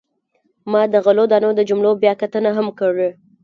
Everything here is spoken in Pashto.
ما د غلو دانو د جملو بیاکتنه هم کړې.